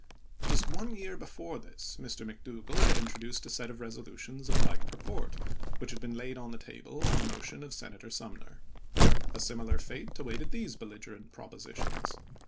Just one year before this, Mr. Mc %?u9n' Dougall had introduced a set of resolutions of like purport, which had been laid on the table on motion of Senator Sumner. A similar fate awaited these belligerent propositions.